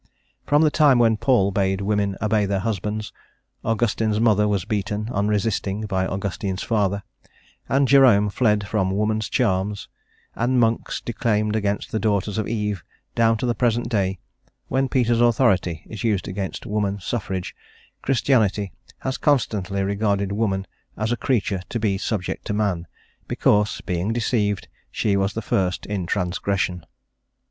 From the time when Paul bade women obey their husbands, Augustine's mother was beaten, unresisting, by Augustine's father, and Jerome fled from woman's charms, and monks declaimed against the daughters of Eve, down to the present day, when Peter's authority is used against woman suffrage, Christianity has consistently regarded woman as a creature to be subject to man, because, being deceived, she was first in transgression.